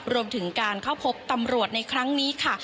รวมถึงการเข้าพบตำรวจในครั้งนี้ค่ะ